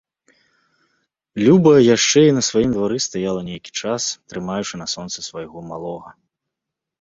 Люба яшчэ і на сваім двары стаяла нейкі час, трымаючы на сонцы свайго малога.